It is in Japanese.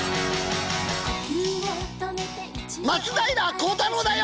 松平孝太郎だよ。